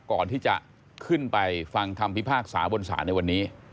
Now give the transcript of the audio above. ก่อนที่จะขึ้นไปฟังคำพิพากษาบนศาลในวันนี้